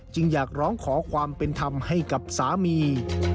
อยากร้องขอความเป็นธรรมให้กับสามี